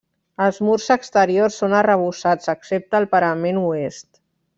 Els murs exteriors són arrebossats excepte al parament oest.